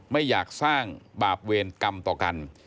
ไม่อยากสร้างบาปเวรกรรมต่อกัน